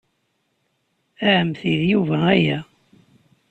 A ɛemmti, d Yuba aya.